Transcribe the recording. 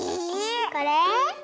これ？